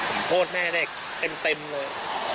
ผมโทษแม่ได้เต็มเลย